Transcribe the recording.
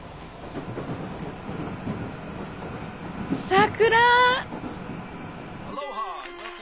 桜！